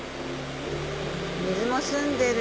水も澄んでる。